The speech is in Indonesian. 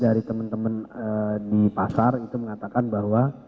dari teman teman di pasar itu mengatakan bahwa